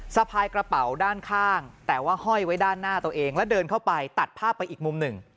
สะพายกระเป๋าด้านข้างแต่ว่าห้อยไว้ด้านหน้าตัวเองแล้วเดินเข้าไปตัดภาพไปอีกมุมหนึ่ง